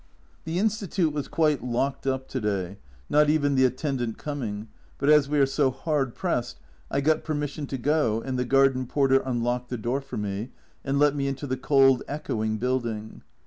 The Institute was quite locked up to day, not even the attendant coming, but as we are so hard pressed I got permission to go and the garden porter unlocked the door for me, and let me into the cold echoing building.